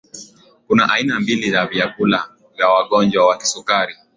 kuna aina mbili ya vyakula vya wagonjwa wa kisukari